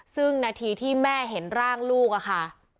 ซึ่งนาทีที่แม่เห็นร่างลูกอะค่ะ